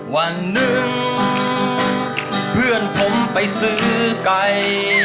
วันหนึ่งเพื่อนผมไปซื้อไก่